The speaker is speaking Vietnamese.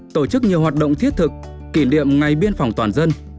tổ chức nhiều hoạt động thiết thực kỷ niệm ngày biên phòng toàn dân